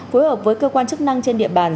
phối hợp với cơ quan chức năng trên địa bàn